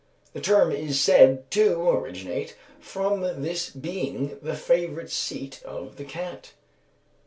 The term is said to originate from this being the favourite seat of the _cat.